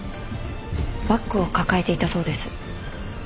バッグを抱えていたそうです。